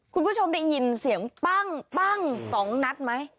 คุณผู้ชมได้ยินเสียงปั้งปั้ง๒นัทมั้ย